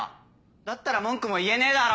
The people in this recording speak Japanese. だったら文句も言えねえだろ！